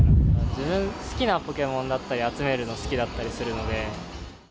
自分、好きなポケモンだったり集めるの好きだったりするので。